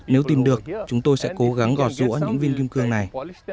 nếu tìm được chúng tôi sẽ cố gắng gò rũa những viên kim cương này